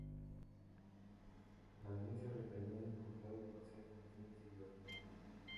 La denuncia recayó en el juzgado de Marcelo Martínez di Giorgio.